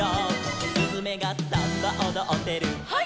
「すずめがサンバおどってる」「ハイ！」